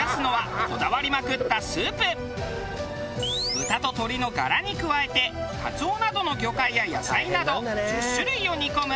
豚と鶏のガラに加えてカツオなどの魚介や野菜など１０種類を煮込む。